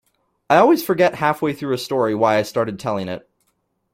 I always forget halfway through a story why I started telling it.